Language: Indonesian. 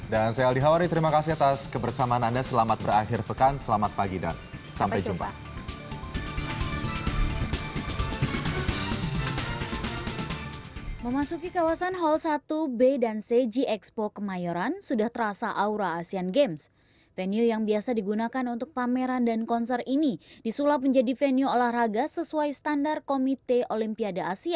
dan saya aldi hawari terima kasih atas kebersamaan anda selamat berakhir pekan selamat pagi dan sampai jumpa